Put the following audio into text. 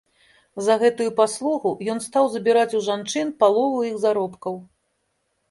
За гэтую паслугу ён стаў забіраць у жанчын палову іх заробкаў.